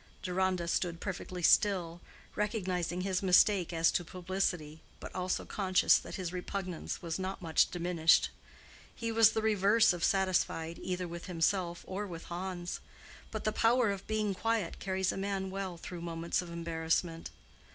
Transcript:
Deronda stood perfectly still, recognizing his mistake as to publicity, but also conscious that his repugnance was not much diminished. He was the reverse of satisfied either with himself or with Hans; but the power of being quiet carries a man well through moments of embarrassment.